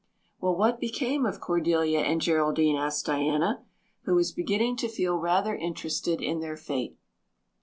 "Well, what became of Cordelia and Geraldine?" asked Diana, who was beginning to feel rather interested in their fate.